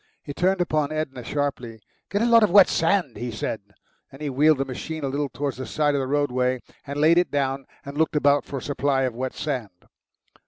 He turned upon Edna sharply. "Get a lot of wet sand," he said. Then he wheeled the machine a little towards the side of the roadway, and laid it down and looked about for a supply of wet sand.